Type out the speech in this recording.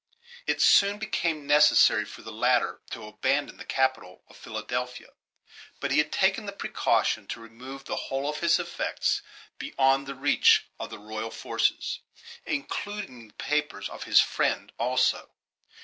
It soon became necessary for the latter to abandon the capital of Philadelphia; but he had taken the precaution to remove the whole of his effects beyond the reach of the royal forces, including the papers of his friend also.